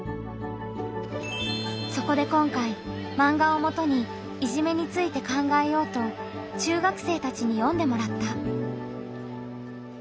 そこで今回マンガをもとにいじめについて考えようと中学生たちに読んでもらった。